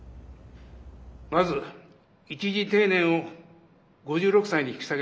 まず、一次定年を５６歳に引き下げます。